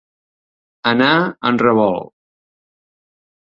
Anar en revolt.